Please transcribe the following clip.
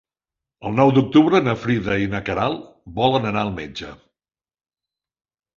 El nou d'octubre na Frida i na Queralt volen anar al metge.